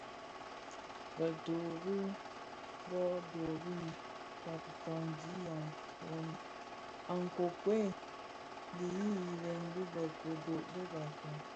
Bë dho be bō bhög bi kpagi a nkokuel ndiňiyèn bi bë kodo bë Bafia.